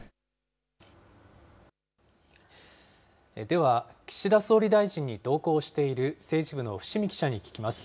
では、岸田総理大臣に同行している政治部の伏見記者に聞きます。